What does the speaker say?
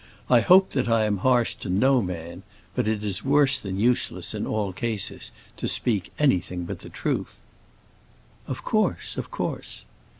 I hope that I am harsh to no man; but it is worse than useless, in all cases, to speak anything but the truth." "Of course of course."